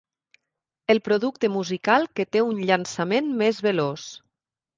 El producte musical que té un llançament més veloç.